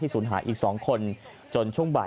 สูญหายอีก๒คนจนช่วงบ่าย